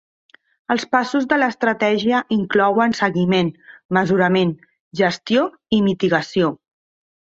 Els passos de l'estratègia inclouen seguiment, mesurament, gestió i mitigació.